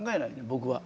僕は。